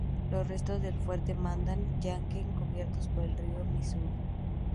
Los restos del fuerte Mandan yacen cubiertos por el río Misuri.